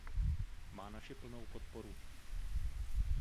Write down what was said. Má naši plnou podporu.